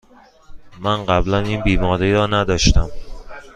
من قبلاً این بیماری را نداشتم.